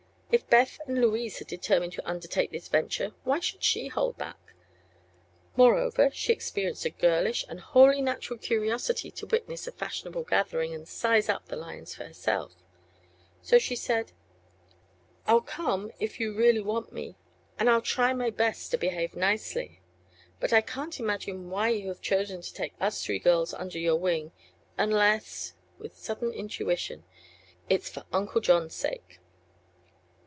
If Beth and Louise had determined to undertake this venture why should she hold back? Moreover, she experienced a girlish and wholly natural curiosity to witness a fashionable gathering and "size up" the lions for herself. So she said: "I'll come, if you really want me; and I'll try my best to behave nicely. But I can't imagine why you have chosen to take us three girls under your wing; unless " with sudden intuition, "it's for Uncle John's sake."